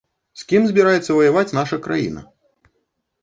З кім збіраецца ваяваць наша краіна?